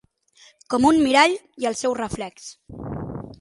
Com un mirall i el seu reflex...».